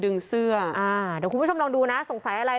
เดี๋ยวคุณผู้ชมลองดูนะสงสัยอะไร